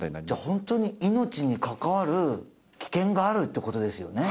ホントに命に関わる危険があるってことですよね？